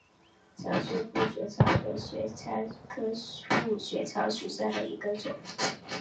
长穗腹水草为玄参科腹水草属下的一个种。